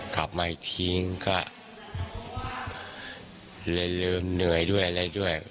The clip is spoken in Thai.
กลับมาอีกทีนึงก็เรื่อยเนยด้วยอะไรด้วย